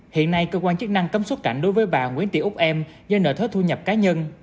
hiện nay cơ quan chức năng cấm xuất cảnh đối với bà nguyễn tị úc em do nợ thuế thu nhập cá nhân